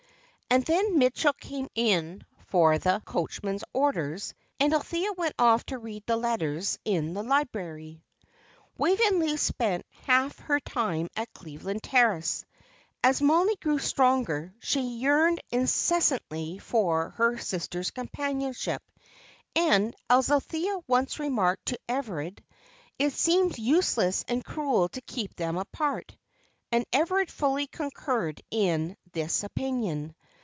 And then Mitchell came in for the coachman's orders, and Althea went off to read the letters in the library. Waveney spent half her time at Cleveland Terrace. As Mollie grew stronger, she yearned incessantly for her sister's companionship, and, as Althea once remarked to Everard, "it seemed useless and cruel to keep them apart." And Everard fully concurred in this opinion.